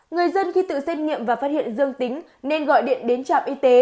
người dân khi tự xét nghiệm và phát hiện dương tính nên gọi điện đến trạm y tế